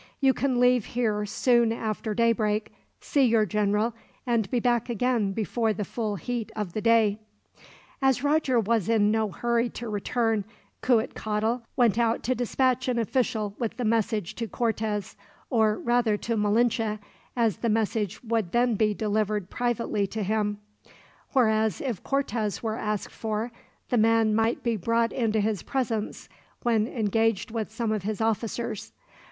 You can leave here soon after daybreak, see your general, and be back again before the full heat of the day." As Roger was in no hurry to return, Cuitcatl went out to dispatch an official with the message to Cortez; or rather to Malinche, as the message would then be delivered privately to him; whereas if Cortez were asked for, the man might be brought into his presence when engaged with some of his officers.